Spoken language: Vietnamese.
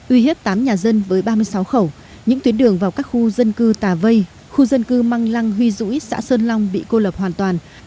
uy hiếp tám nhà dân với ba mươi sáu khẩu những tuyến đường vào các khu dân cư tà vây khu dân cư măng lăng huy rũi xã sơn long bị cô lập hoàn toàn